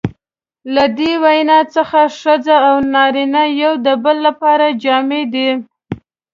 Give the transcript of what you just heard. له دې وینا څخه ښځه او نارینه یو د بل لپاره جامې دي.